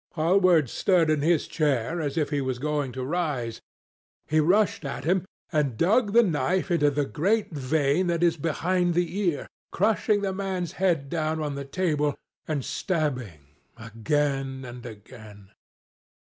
Hallward stirred in his chair as if he was going to rise. He rushed at him and dug the knife into the great vein that is behind the ear, crushing the man's head down on the table and stabbing again and again.